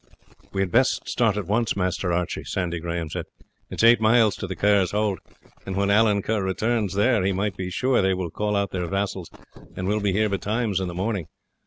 "We had best start at once, Master Archie," Sandy Graham said: "it is eight miles to the Kerrs' hold, and when Allan Kerr returns there you may be sure they will call out their vassals and will be here betimes in the morning.